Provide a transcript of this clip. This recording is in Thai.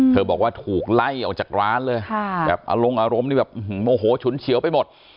บอกว่าถูกไล่ออกจากร้านเลยแบบอารมณ์อารมณ์นี่แบบโมโหฉุนเฉียวไปหมด